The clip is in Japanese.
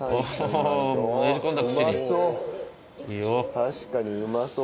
確かにうまそうだわ。